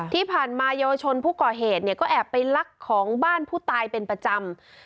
ที่ผ่านมาเยาวชนผู้ก่อเหตุเนี่ยก็แอบไปลักของบ้านผู้ตายเป็นประจำ